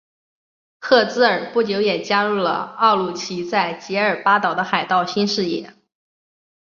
赫兹尔不久也加入了奥鲁奇在杰尔巴岛的海盗新事业。